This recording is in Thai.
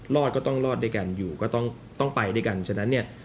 รอดก็ต้องรอดด้วยกันอยู่ก็ต้องไปด้วยกันฉะนั้นเนี่ย